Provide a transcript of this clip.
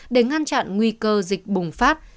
để ngăn chặn nguy cơ dịch bùng phát